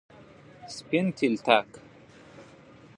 سپین تلتک،